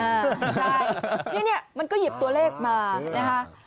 อ่าใช่นี่เนี่ยมันก็หยิบตัวเลขมานะฮะ